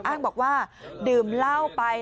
อ้างบอกว่าดื่มเหล้าไป